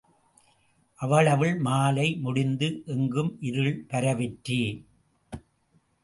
அவ்வளவில் மாலை முடிந்து எங்கும் இருள் பரவிற்று.